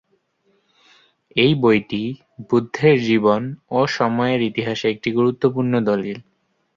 এই বইটি বুদ্ধের জীবন ও সময়ের ইতিহাসে একটি গুরুত্বপূর্ণ দলিল।